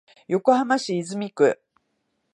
横浜市泉区